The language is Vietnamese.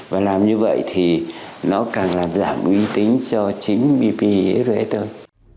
và làm như vậy thì nó càng làm giảm uy tín cho chính bpson